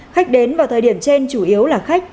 khách đến vào thời điểm trên chủ yếu là khách